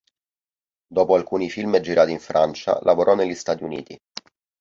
Dopo alcuni film girati in Francia, lavorò negli Stati Uniti.